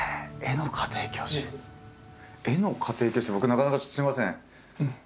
絵の家庭教師って僕なかなかちょっとすいません